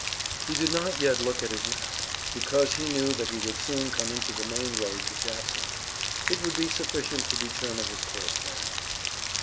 He did not yet look at his map, because he knew that he would soon come into the main road to Jackson. It would be sufficient to determine his course then.